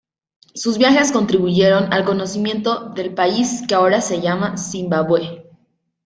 Sus viajes contribuyeron al conocimiento del país que ahora se llama Zimbabue.